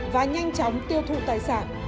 và nhanh chóng tiêu thụ tài sản